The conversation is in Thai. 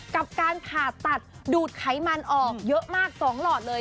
กับการผ่าตัดดูดไขมันออกเยอะมาก๒หลอดเลย